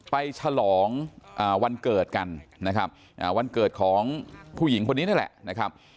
ไปฉลองวันเกิดกันวันเกิดของผู้หญิงคนนี้นั่นแหละ